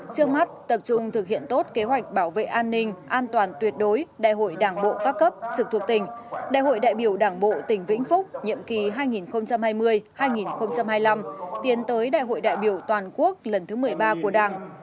trước mắt tập trung thực hiện tốt kế hoạch bảo vệ an ninh an toàn tuyệt đối đại hội đảng bộ các cấp trực thuộc tỉnh đại hội đại biểu đảng bộ tỉnh vĩnh phúc nhiệm kỳ hai nghìn hai mươi hai nghìn hai mươi năm tiến tới đại hội đại biểu toàn quốc lần thứ một mươi ba của đảng